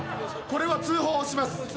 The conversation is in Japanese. これは通報します。